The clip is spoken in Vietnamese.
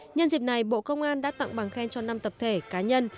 nhân dịp này bộ công an đã tặng bằng khen cho năm tập thể cá nhân